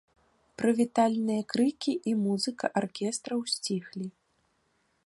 Прывітальныя крыкі і музыка аркестраў сціхлі.